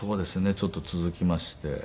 ちょっと続きまして。